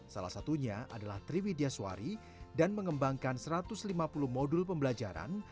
salah satunya adalah triwidya swari dan mengembangkan satu ratus lima puluh modul pembelajaran